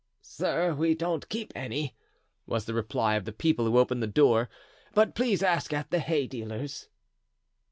"Sir, we don't keep any," was the reply of the people who opened the doors; "but please ask at the hay dealer's."